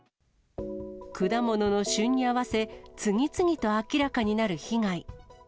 果物の旬に合わせ、次々と明らかになる被害。